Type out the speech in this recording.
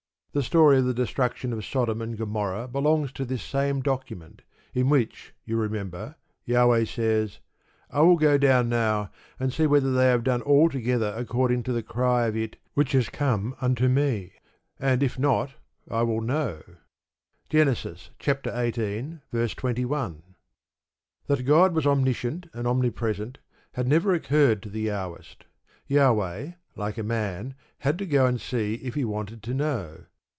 The story of the destruction of Sodom and Gomorrah belongs to this same document, in which, you remember, Jahweh says: "I will go down now, and see whether they have done altogether according to the cry of it which is come unto me; and if not, I will know" (Gen. xviii. 21). That God was omniscient and omnipresent had never occurred to the Jahwist. Jahweh, like a man, had to go and see if he wanted to know.